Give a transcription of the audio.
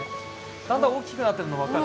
だんだん大きくなってるの分かる？